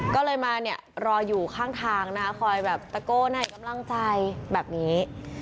ก็เลยมาเนี่ยรออยู่ข้างทางนะคะคอยแบบตะโกนให้กำลังใจแบบนี้